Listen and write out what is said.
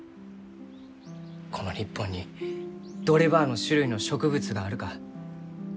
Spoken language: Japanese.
この日本にどればあの種類の植物があるか。